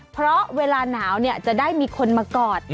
เพราะเวลาหนาวจะได้มีคนมากอด